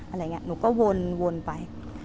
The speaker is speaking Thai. อะไรอย่างนี้หนูก็วนไป